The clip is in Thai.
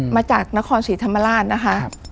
มาจากนครศรีธรรมาราช